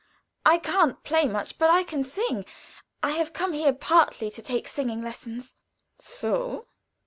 I can't play much, but I can sing. I have come here partly to take singing lessons." "So!"